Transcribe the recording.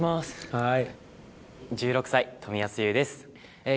はい。